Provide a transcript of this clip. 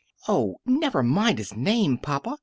"Oh, never mind his name, papa!"